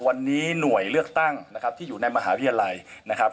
วันนี้หน่วยเลือกตั้งนะครับที่อยู่ในมหาวิทยาลัยนะครับ